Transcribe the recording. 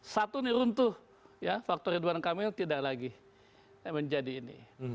satu ini runtuh ya faktor ridwan kamil tidak lagi menjadi ini